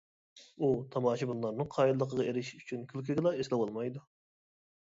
ئۇ تاماشىبىنلارنىڭ قايىللىقىغا ئېرىشىش ئۈچۈن، كۈلكىگىلا ئېسىلىۋالمايدۇ.